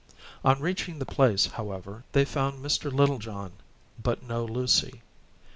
On reaching the place, however, they found Mr. Littlejohn, but no Lucy.